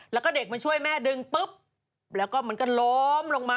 แล้วก็เด็กมาช่วยแม่ดึงปุ๊บแล้วก็มันก็ล้มลงมา